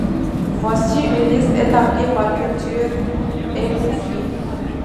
Voici une liste établie par Culture & Conflits.